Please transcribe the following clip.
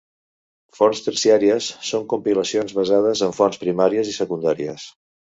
Fonts terciàries són compilacions basades en fonts primàries i secundàries.